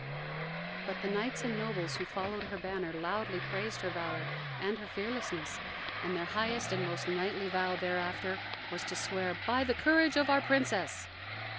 But the knights and nobles who followed her banner loudly praised her valor and her fearlessness, and their highest and most knightly vow thereafter was to swear "By the courage of our Princess."